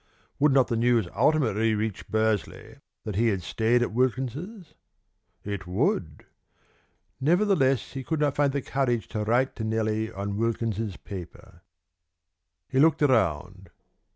Would not the news ultimately reach Bursley that he had stayed at Wilkins's? It would. Nevertheless, he could not find the courage to write to Nellie on Wilkins's paper. He looked around.